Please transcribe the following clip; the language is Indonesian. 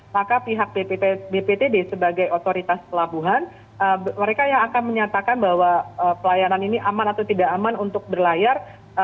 maka pihak bptd sebagai otoritas pelabuhan mereka yang akan menyatakan bahwa pelayanan ini aman atau tidak aman untuk berlayar